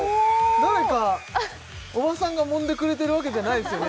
誰かおばさんがもんでくれてるわけじゃないですよね？